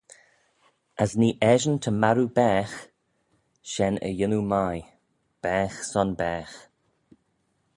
"As nee eshyn, ta marroo baagh, shen y yannoo mie; baagh son baagh."